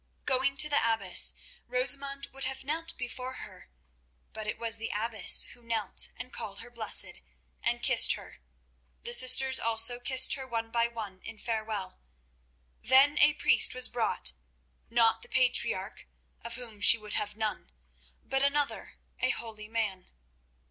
Going to the abbess, Rosamund would have knelt before her, but it was the abbess who knelt and called her blessed, and kissed her. The sisters also kissed her one by one in farewell. Then a priest was brought—not the patriarch, of whom she would have none, but another, a holy man.